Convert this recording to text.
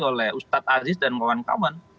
oleh ustadz aziz dan kawan kawan